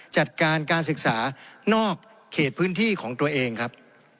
จัดการการศึกษานอกเขตพื้นที่ของตัวเองครับ